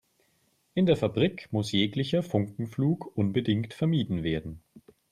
In der Fabrik muss jeglicher Funkenflug unbedingt vermieden werden.